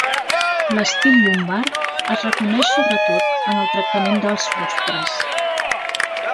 L'estil llombard es reconeix sobretot en el tractament dels rostres.